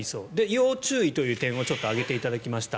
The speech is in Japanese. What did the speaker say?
要注意という点を挙げていただきました。